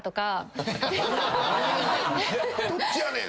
どっちやねん！